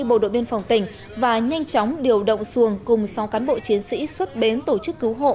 bộ đội biên phòng tỉnh và nhanh chóng điều động xuồng cùng sáu cán bộ chiến sĩ xuất bến tổ chức cứu hộ